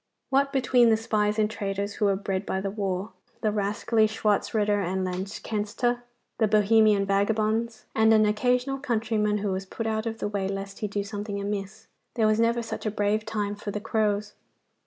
What between the spies and traitors who were bred by the war, the rascally Schwartzritter and Lanzknechte, the Bohemian vagabonds, and an occasional countryman who was put out of the way lest he do something amiss, there was never such a brave time for the crows.